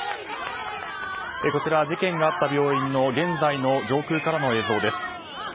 事件があった病院の現在の上空からの映像です。